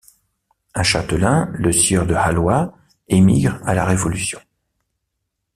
Un châtelain, le sieur de Halloÿ, émigre à la Révolution.